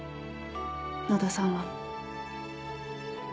野田さんは。